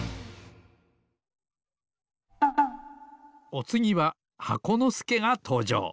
おつぎは箱のすけがとうじょう